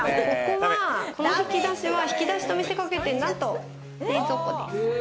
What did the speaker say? この引き出しは引き出しと見せかけて何と冷蔵庫です。